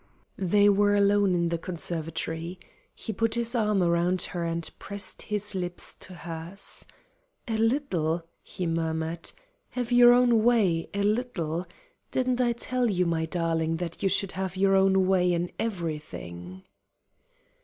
They were alone in the conservatory. He put his arm around her and pressed his lips to hers. "A little," he murmured. "Have your own way a little! Didn't I tell you, my darling, that you should have your own way in everything?"